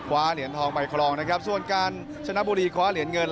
เหรียญทองไปครองนะครับส่วนการชนะบุรีคว้าเหรียญเงิน